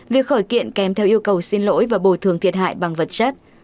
việc khởi kiện kèm theo yêu cầu xin lỗi và bồi thường thiệt hại bằng vật chất